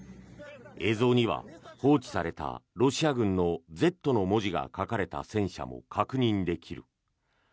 映像には、放置されたロシア軍の「Ｚ」の文字が書かれた戦車も確認できる。